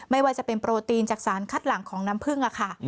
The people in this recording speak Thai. ไม่ว่าจะเป็นโปรตีนจากสารคัดหลังของน้ำพึ่งค่ะ